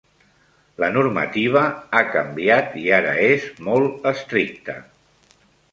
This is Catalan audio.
La normativa ha canviat i ara és molt estricta.